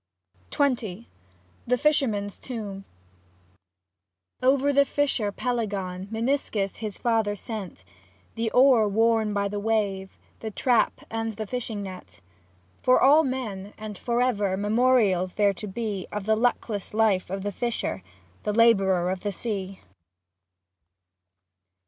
XX THE FISHERMAN'S TOMB Over the fisher Pelagon Meniscus his father set The oar worn by the wave, the trap, and the fishing net ;— For all men, and for ever, memor ials there to be Of the luckless life of the fisher, the labourer of the sea.